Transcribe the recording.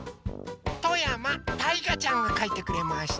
とやまたいがちゃんがかいてくれました。